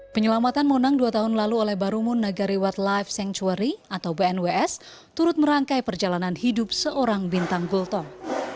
penyelamatan monang dua tahun lalu oleh barumun nagariwat life sanctuary atau bnws turut merangkai perjalanan hidup seorang bintang gultong